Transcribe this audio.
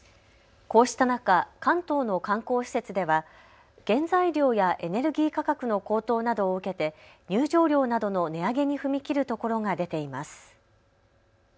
こうした中、関東の観光施設では原材料やエネルギー価格の高騰などを受けて入場料などの値上げに踏み切るところが出ています。